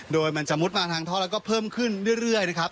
โดยมันจะมุดมาทางท่อแล้วก็เพิ่มขึ้นเรื่อยนะครับ